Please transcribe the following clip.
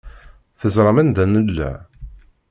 Teẓram anda nella?